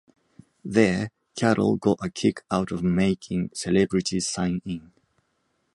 There, Carroll got a kick out of making celebrities sign in.